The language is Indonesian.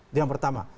itu yang pertama